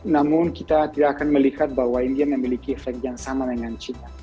namun kita tidak akan melihat bahwa india memiliki efek yang sama dengan china